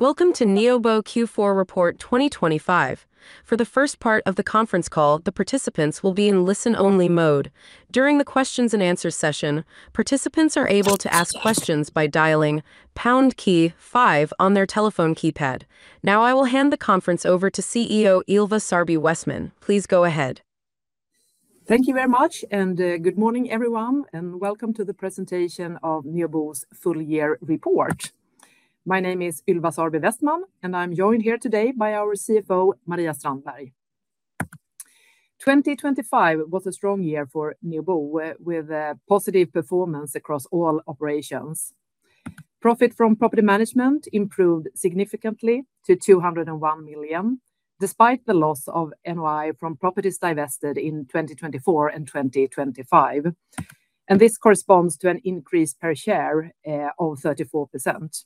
Welcome to Neobo Q4 Report 2025. For the first part of the conference call, the participants will be in listen-only mode. During the questions-and-answers session, participants are able to ask questions by dialing pound key five on their telephone keypad. Now I will hand the conference over to CEO Ylva Sarby Westman. Please go ahead. Thank you very much, and good morning everyone, and welcome to the presentation of Neobo's full-year report. My name is Ylva Sarby Westman, and I'm joined here today by our CFO Maria Strandberg. 2025 was a strong year for Neobo, with positive performance across all operations. Profit from property management improved significantly to 201 million despite the loss of NOI from properties divested in 2024 and 2025, and this corresponds to an increase per share of 34%.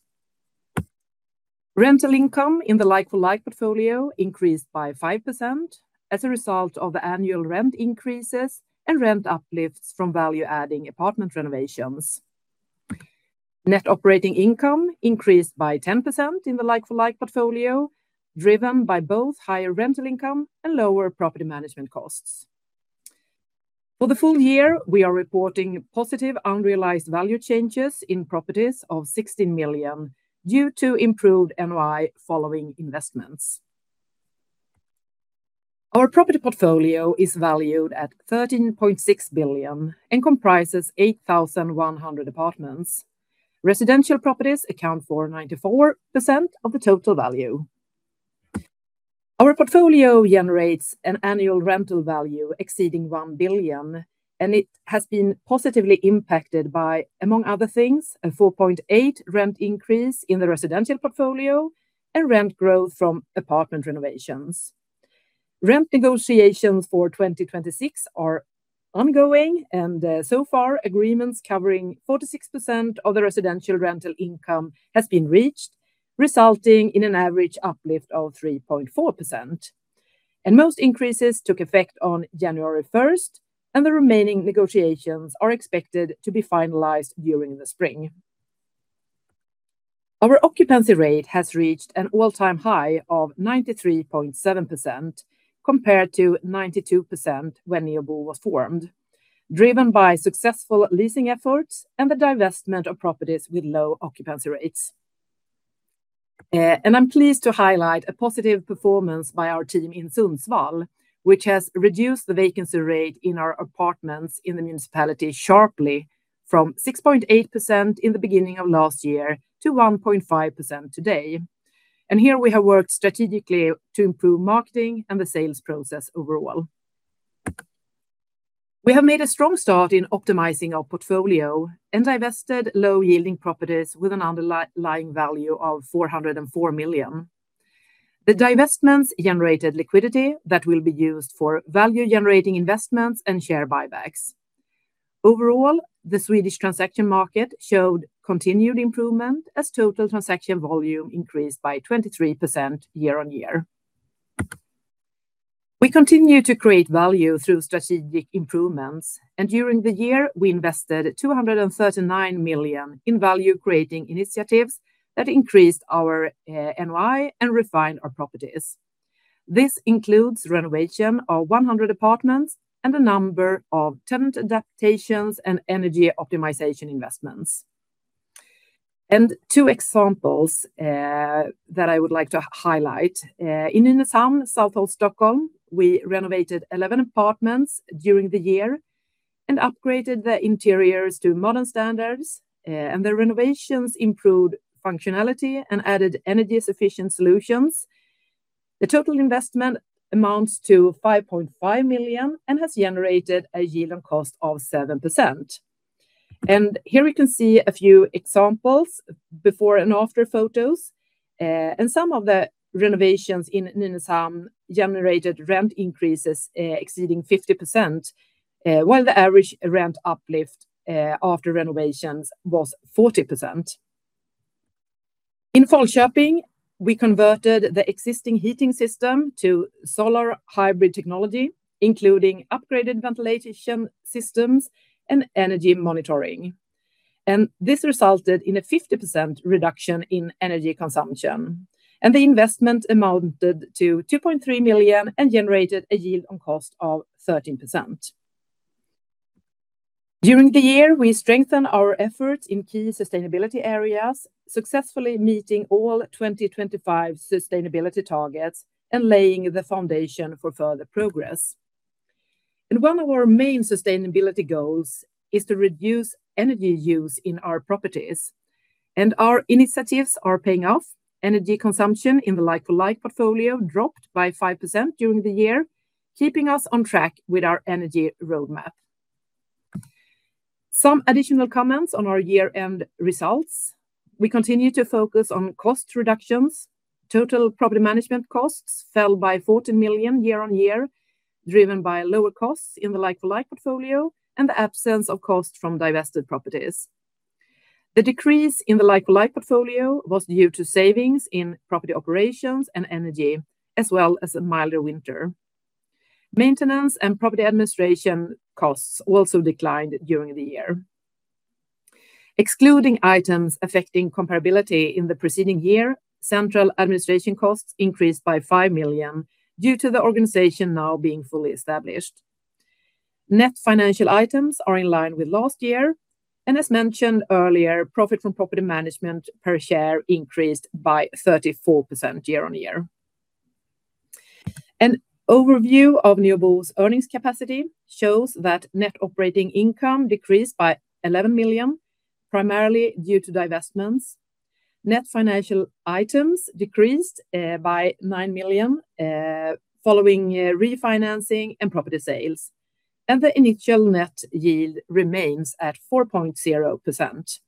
Rental income in the like-for-like portfolio increased by 5% as a result of the annual rent increases and rent uplifts from value-adding apartment renovations. Net operating income increased by 10% in the like-for-like portfolio, driven by both higher rental income and lower property management costs. For the full year, we are reporting positive unrealized value changes in properties of 16 million due to improved NOI following investments. Our property portfolio is valued at 13.6 billion and comprises 8,100 apartments. Residential properties account for 94% of the total value. Our portfolio generates an annual rental value exceeding 1 billion, and it has been positively impacted by, among other things, a 4.8% rent increase in the residential portfolio and rent growth from apartment renovations. Rent negotiations for 2026 are ongoing, and so far agreements covering 46% of the residential rental income have been reached, resulting in an average uplift of 3.4%. Most increases took effect on January 1, and the remaining negotiations are expected to be finalized during the spring. Our occupancy rate has reached an all-time high of 93.7% compared to 92% when Neobo was formed, driven by successful leasing efforts and the divestment of properties with low occupancy rates. I'm pleased to highlight a positive performance by our team in Sundsvall, which has reduced the vacancy rate in our apartments in the municipality sharply from 6.8% in the beginning of last year to 1.5% today. Here we have worked strategically to improve marketing and the sales process overall. We have made a strong start in optimizing our portfolio and divested low-yielding properties with an underlying value of 404 million. The divestments generated liquidity that will be used for value-generating investments and share buybacks. Overall, the Swedish transaction market showed continued improvement as total transaction volume increased by 23% year-on-year. We continue to create value through strategic improvements, and during the year we invested 239 million in value-creating initiatives that increased our NOI and refined our properties. This includes renovation of 100 apartments and a number of tenant adaptations and energy optimization investments. Two examples that I would like to highlight: in Nynäshamn, south of Stockholm, we renovated 11 apartments during the year and upgraded the interiors to modern standards, and the renovations improved functionality and added energy-efficient solutions. The total investment amounts to 5.5 million and has generated a yield on cost of 7%. Here you can see a few examples before and after photos. Some of the renovations in Nynäshamn generated rent increases exceeding 50%, while the average rent uplift after renovations was 40%. In Falköping, we converted the existing heating system to solar hybrid technology, including upgraded ventilation systems and energy monitoring. This resulted in a 50% reduction in energy consumption, and the investment amounted to 2.3 million and generated a yield on cost of 13%. During the year we strengthened our efforts in key sustainability areas, successfully meeting all 2025 sustainability targets and laying the foundation for further progress. One of our main sustainability goals is to reduce energy use in our properties, and our initiatives are paying off. Energy consumption in the like-for-like portfolio dropped by 5% during the year, keeping us on track with our energy roadmap. Some additional comments on our year-end results: we continue to focus on cost reductions. Total property management costs fell by 14 million year-on-year, driven by lower costs in the like-for-like portfolio and the absence of costs from divested properties. The decrease in the like-for-like portfolio was due to savings in property operations and energy, as well as a milder winter. Maintenance and property administration costs also declined during the year. Excluding items affecting comparability in the preceding year, central administration costs increased by 5 million due to the organization now being fully established. Net financial items are in line with last year, and as mentioned earlier, profit from property management per share increased by 34% year-on-year. An overview of Neobo's earnings capacity shows that net operating income decreased by 11 million, primarily due to divestments. Net financial items decreased by 9 million following refinancing and property sales, and the initial net yield remains at 4.0%.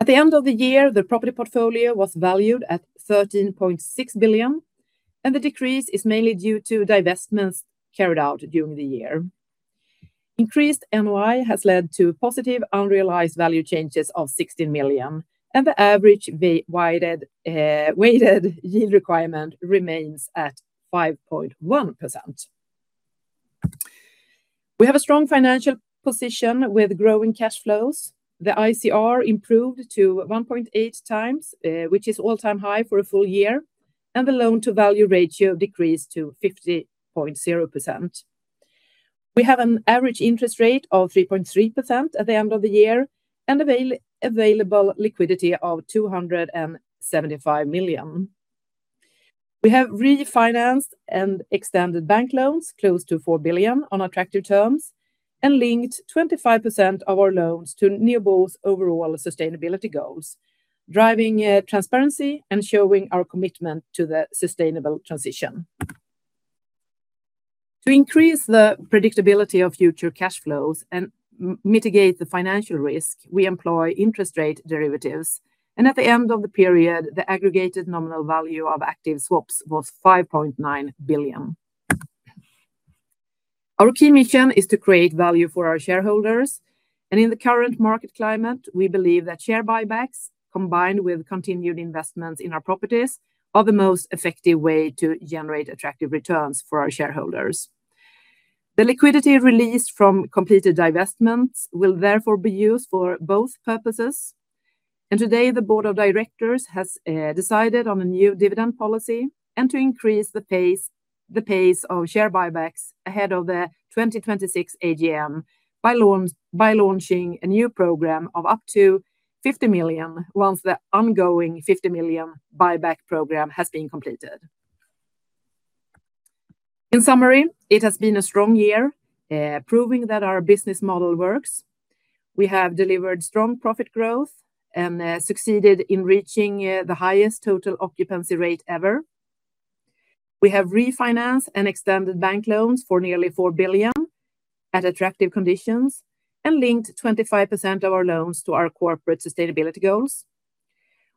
At the end of the year, the property portfolio was valued at 13.6 billion, and the decrease is mainly due to divestments carried out during the year. Increased NOI has led to positive unrealized value changes of 16 million, and the average weighted yield requirement remains at 5.1%. We have a strong financial position with growing cash flows. The ICR improved to 1.8 times, which is an all-time high for a full year, and the loan-to-value ratio decreased to 50.0%. We have an average interest rate of 3.3% at the end of the year and available liquidity of 275 million. We have refinanced and extended bank loans close to 4 billion on attractive terms and linked 25% of our loans to Neobo's overall sustainability goals, driving transparency and showing our commitment to the sustainable transition. To increase the predictability of future cash flows and mitigate the financial risk, we employ interest rate derivatives, and at the end of the period the aggregated nominal value of active swaps was 5.9 billion. Our key mission is to create value for our shareholders, and in the current market climate we believe that share buybacks, combined with continued investments in our properties, are the most effective way to generate attractive returns for our shareholders. The liquidity released from completed divestments will therefore be used for both purposes, and today the board of directors has decided on a new dividend policy and to increase the pace of share buybacks ahead of the 2026 AGM by launching a new program of up to 50 million once the ongoing 50 million buyback program has been completed. In summary, it has been a strong year, proving that our business model works. We have delivered strong profit growth and succeeded in reaching the highest total occupancy rate ever. We have refinanced and extended bank loans for nearly 4 billion at attractive conditions and linked 25% of our loans to our corporate sustainability goals.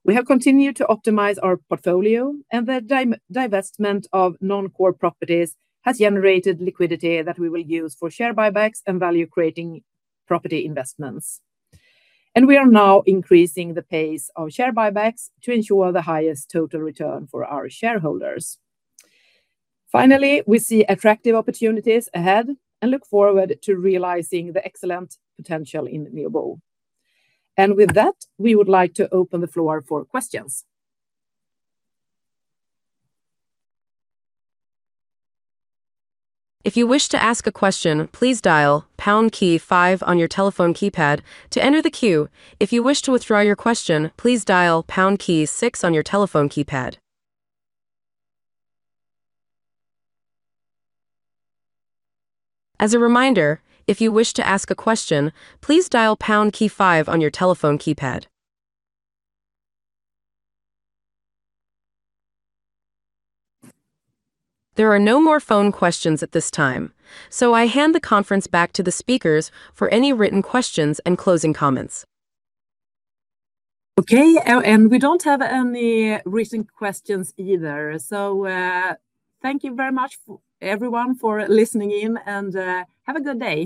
We have continued to optimize our portfolio, and the divestment of non-core properties has generated liquidity that we will use for share buybacks and value-creating property investments. And we are now increasing the pace of share buybacks to ensure the highest total return for our shareholders. Finally, we see attractive opportunities ahead and look forward to realizing the excellent potential in Neobo. And with that, we would like to open the floor for questions. If you wish to ask a question, please dial pound key five on your telephone keypad to enter the queue. If you wish to withdraw your question, please dial pound key six on your telephone keypad. As a reminder, if you wish to ask a question, please dial pound key five on your telephone keypad. There are no more phone questions at this time, so I hand the conference back to the speakers for any written questions and closing comments. Okay, and we don't have any recent questions either, so thank you very much, everyone, for listening in, and have a good day.